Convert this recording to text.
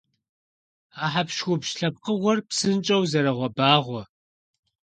А хьэпщхупщ лъэпкъыгъуэр псынщIэу зэрогъэбагъуэ.